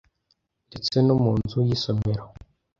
Ndetse no mu nzu y’isomero